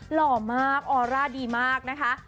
หล่อมากออร่าดีมากนะคะ